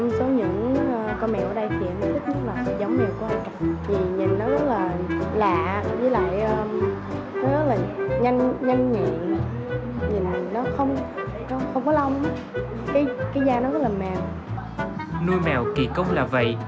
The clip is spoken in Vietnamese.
nuôi mèo kỳ công là vậy